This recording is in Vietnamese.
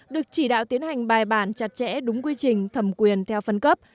được chỉ đạo tiến hành bài bản chặt chẽ đúng quy trình thẩm quyền theo phân cấp